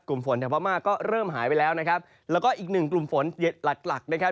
กลุ่มฝนแถวพม่าก็เริ่มหายไปแล้วนะครับแล้วก็อีกหนึ่งกลุ่มฝนหลักหลักนะครับ